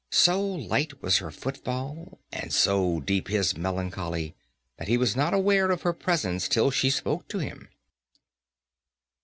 So light was her footfall, and so deep his melancholy, that he was not aware of her presence till she spoke to him.